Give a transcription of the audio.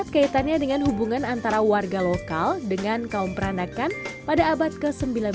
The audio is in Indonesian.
kaitannya dengan hubungan antara warga lokal dengan kaum peranakan pada abad ke sembilan belas